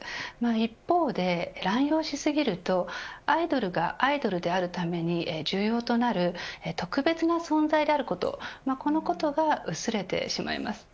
一方で、乱用しすぎるとアイドルがアイドルであるために重要となる特別な存在であることこのことが薄れてしまいます。